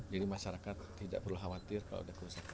jadi masyarakat tidak perlu khawatir kalau ada kerusakan